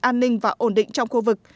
an ninh và ổn định trong khu vực